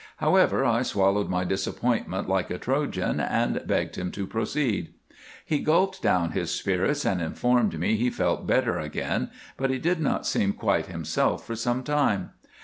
However, I swallowed my disappointment like a Trojan, and begged him to proceed. He gulped down his spirits and informed me he felt better again, but he did not seem quite himself for some time.